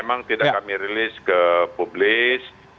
memang tidak kami rilis ke publik